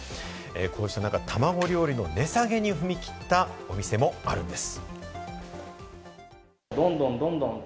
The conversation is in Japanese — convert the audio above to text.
こうした中、たまご料理の値下げに踏み切った店もあるんです。